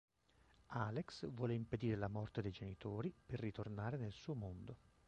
Alex vuole impedire la morte dei genitori per ritornare nel suo mondo.